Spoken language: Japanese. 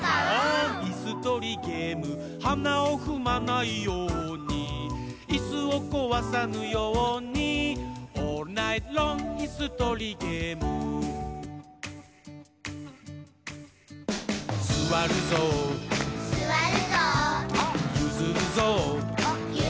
いすとりゲーム」「はなをふまないように」「いすをこわさぬように」「オールナイトロングいすとりゲーム」「すわるぞう」「ゆずるぞう」